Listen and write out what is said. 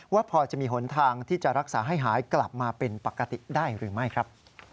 ว่าพอจะมีหนทางที่จะรักษาให้หายกลับมาเป็นปกติได้หรือไม่ครับ